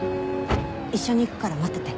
一緒に行くから待ってて。